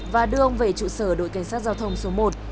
và đưa ông về trụ sở đội cảnh sát giao thông số một